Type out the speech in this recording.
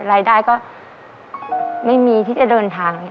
รายได้ก็ไม่มีที่จะเดินทาง